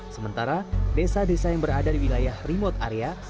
sementara desa desa yang berada di wilayah remote area